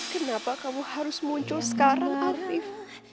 kenapa kamu harus muncul sekarang arief